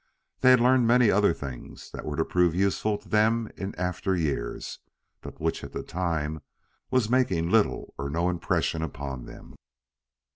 They had learned many other things that were to prove useful to them in after years, but which at the time was making little or no impression upon them.